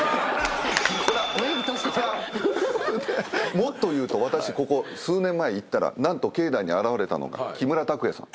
もっと言うと私ここ数年前に行ったら何と境内に現れたのが木村拓哉さん。